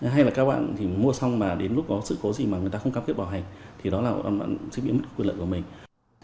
hay là các bạn thì mua xong mà đến lúc có sự cố gì mà người ta không cam kết bảo hành thì đó là bạn sẽ bị mất quyền lợi của mình